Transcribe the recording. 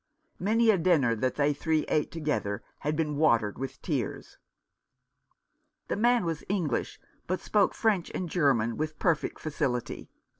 Many a dinner that they three ate together had been watered with tears. The man was English, but spoke French and German with perfect facility.